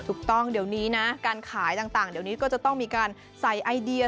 ถูกต้องเดี๋ยวนี้นะการขายต่างเดี๋ยวนี้ก็จะต้องมีการใส่ไอเดีย